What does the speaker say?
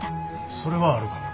それはあるかもな。